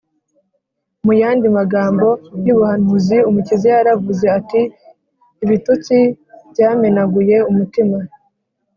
mu yandi magambo y’ubuhanuzi umukiza yaravuze ati, “ibitutsi byamenaguye umutima,